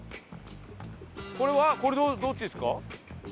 これはこれはどっちですか？